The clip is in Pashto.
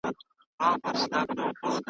ما دې د حسن پۀ محشر کې پرېږده